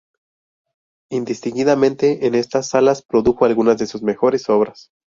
Indistintamente en estas salas produjo algunas de sus mejores obras.